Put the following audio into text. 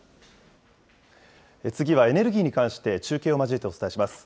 次はエネルギーに関して中継を交えてお伝えします。